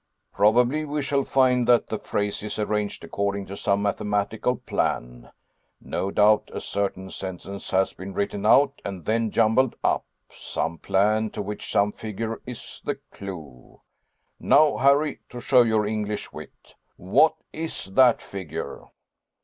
Probably we shall find that the phrase is arranged according to some mathematical plan. No doubt a certain sentence has been written out and then jumbled up some plan to which some figure is the clue. Now, Harry, to show your English wit what is that figure?"